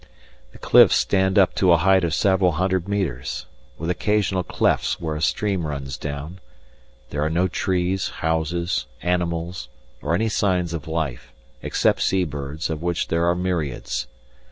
The cliffs stand up to a height of several hundred metres, with occasional clefts where a stream runs down. There are no trees, houses, animals, or any signs of life, except sea birds, of which there are myriads.